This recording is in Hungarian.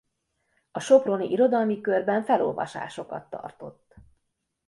A soproni irodalmi körben felolvasásokat tartott.